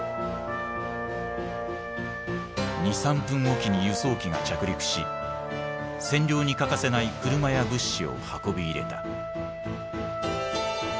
２３分置きに輸送機が着陸し占領に欠かせない車や物資を運び入れた。